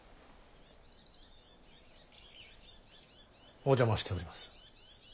お邪魔しております。